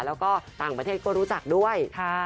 แล้วก็ต่างประเทศก็รู้จักด้วย